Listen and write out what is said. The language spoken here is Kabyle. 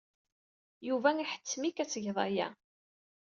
Yuba iḥettem-ik ad tged aya.